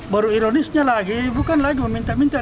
baru ironisnya lagi bukan lagi meminta minta